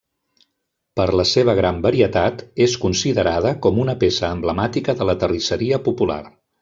Per la seva gran varietat, és considerada com una peça emblemàtica de la terrisseria popular.